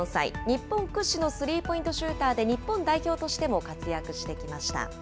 日本屈指のスリーポイントシューターで日本代表としても活躍してきました。